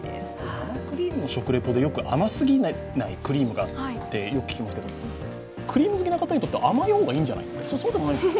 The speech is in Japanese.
生クリームの食レポでよく甘すぎないとよく聞きますがクリーム好きな方にとっては甘い方がいいんじゃないですか？